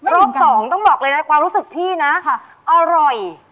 รอบสองต้องบอกเลยนะความรู้สึกพี่นะอร่อย